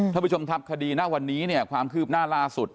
ท่านผู้ชมครับคดีณวันนี้เนี่ยความคืบหน้าล่าสุด